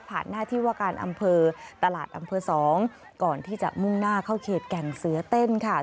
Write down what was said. หน้าที่ว่าการอำเภอตลาดอำเภอ๒ก่อนที่จะมุ่งหน้าเข้าเขตแก่งเสือเต้นค่ะ